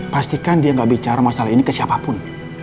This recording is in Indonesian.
pastikan dia gak bicara masalah ini ke siapapun